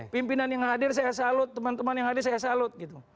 pimpinan yang hadir saya salut teman teman yang hadir saya salut gitu